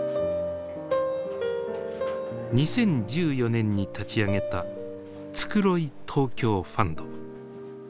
２０１４年に立ち上げた「つくろい東京ファンド」。